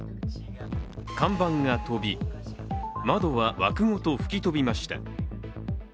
看板が飛び、窓は枠ごと吹き飛びました。